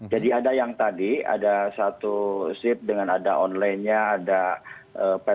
jadi ada yang tadi ada satu sip dengan ada onlinenya ada ptl